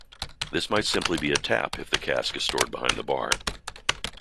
This might simply be a tap if the cask is stored behind the bar.